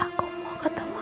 aku mau ketemu